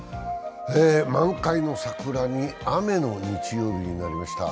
満開の桜に雨の日曜日になりました。